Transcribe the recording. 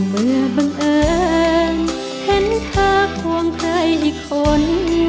บังเอิญเห็นเธอควงใครอีกคน